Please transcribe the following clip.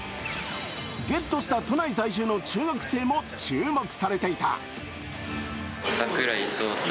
ゲットした都内在住の中学生も注目されていた。